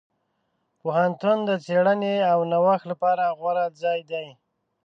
پوهنتون د څېړنې او نوښت لپاره غوره ځای دی.